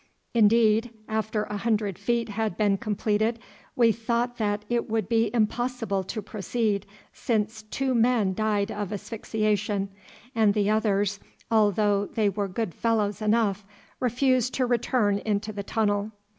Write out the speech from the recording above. Indeed, after a hundred feet had been completed, we thought that it would be impossible to proceed, since two men died of asphyxiation and the others, although they were good fellows enough, refused to return into the tunnel.